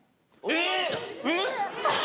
えっ！